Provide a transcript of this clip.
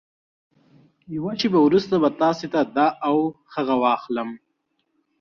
يوه شېبه وروسته به تاسې ته دا او هغه واخلم.